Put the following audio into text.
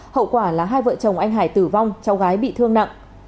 hậu quả là hai vợ chồng anh hải tử vong cháu gái bị thương nặng